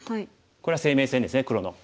これは生命線ですね黒の。